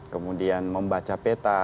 kemudian membaca peta